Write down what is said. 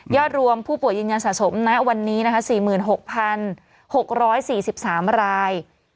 รวมผู้ป่วยยืนยันสะสมณวันนี้นะคะ๔๖๖๔๓ราย